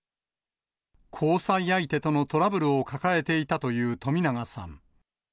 交際相手とのトラブルを抱えていたという冨永さん。